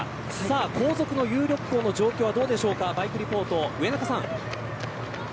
後続の有力校の状況はどうでしょうか、バイクリポート上中さん。